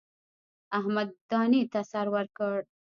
احمد دانې ته سر ورکړ.